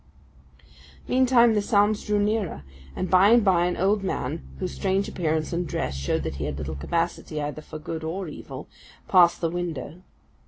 Meantime the sounds drew nearer; and by and by an old man, whose strange appearance and dress showed that he had little capacity either for good or evil, passed the window.